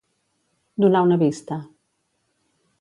Donar una vista.